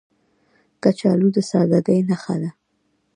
کچالو د سادګۍ نښه ده